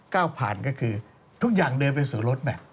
ก้าวผ่านก็คือทุกอย่างเดินไปสู่รถ